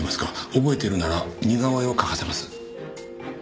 覚えているなら似顔絵を描かせます。